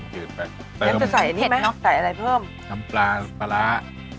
จืดไงจะใส่อันนี้ไหมใส่อะไรเพิ่มน้ำปลาปลาร้า